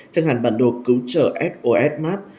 chẳng hạn bản đồ cứu trợ sos map